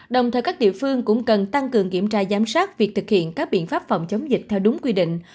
đồng thời các địa phương cũng cần tăng cường kiểm tra giám sát việc thực hiện các biện pháp phòng chống dịch theo đúng quy định